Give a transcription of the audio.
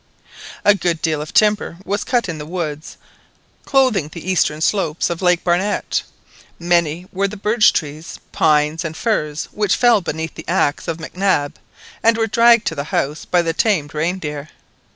A good deal of timber was cut in the woods clothing the eastern slopes of Lake Barnett. Many were the birch trees, pines, and firs which fell beneath the axe of Mac Nab, and were dragged to the house by the tamed reindeer.